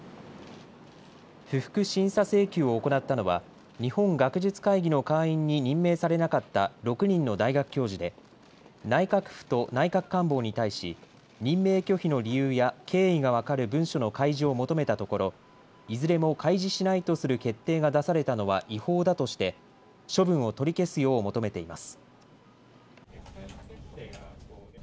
不服審査請求を行ったのは日本学術会議の会員に任命されなかった６人の大学教授で内閣府と内閣官房に対し任命拒否の理由や経緯が分かる文書の開示を求めたところいずれも開示しないとする決定が出されたのは違法だとして処分を取り消すよう求めています。